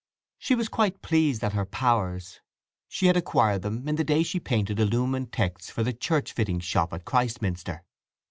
She was quite pleased at her powers; she had acquired them in the days she painted illumined texts for the church fitting shop at Christminster.